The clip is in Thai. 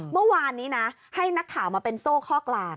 เมื่อวานนี้นะให้นักข่าวมาเป็นโซ่ข้อกลาง